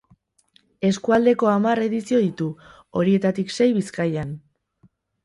Eskualdeko hamar edizio ditu, horietatik sei Bizkaian.